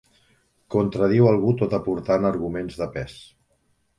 Contradiu algú tot aportant arguments de pes.